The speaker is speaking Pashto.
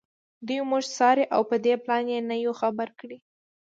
دوی موږ څاري او په دې پلان یې نه یو خبر کړي